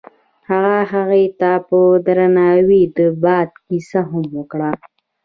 هغه هغې ته په درناوي د باد کیسه هم وکړه.